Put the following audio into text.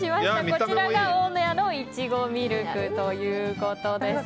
こちらが大野屋のいちごミルクということです。